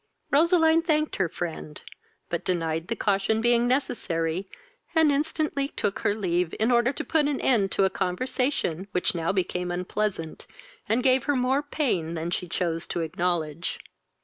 Roseline thanked her friend, but denied the caution being necessary, and instantly tool her leave, in order to put an end to a conversation which now became unpleasant, and gave her more pain than she chose to acknowledge.